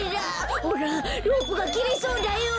ほらロープがきれそうだよ。